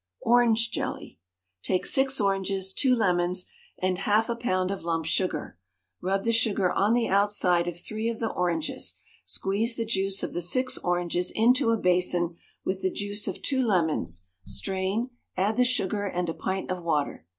ORANGE JELLY. Take six oranges, two lemons, and half a pound of lump sugar; rub the sugar on the outside of three of the oranges, squeeze the juice of the six oranges into a basin with the juice of two lemons, strain, add the sugar and a pint of water.